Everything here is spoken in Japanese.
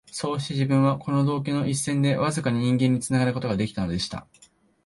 そうして自分は、この道化の一線でわずかに人間につながる事が出来たのでした